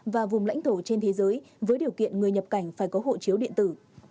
và vùng lãnh thổ trên thế giới với điều kiện người nhập cảnh phải có hộ chiếu điện tử